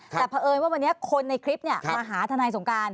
แต่เพราะเอิญว่าวันนี้คนในคลิปมาหาทนายสงการ